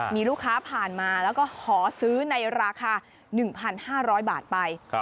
มีลูกค้าผ่านมาแล้วก็ขอซื้อในราคา๑๕๐๐บาทไป